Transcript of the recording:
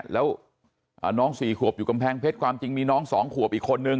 แล้วน้อง๔ขวบอยู่กำแพงเพชรความจริงมีน้อง๒ขวบอีกคนนึง